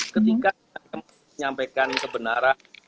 ketika menyampaikan kebenaran